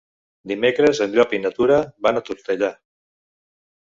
Dimecres en Llop i na Tura van a Tortellà.